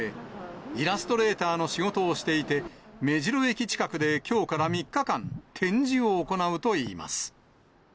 イラストレーターの仕事をしていて、目白駅近くできょうから３日間展示を行うといいます。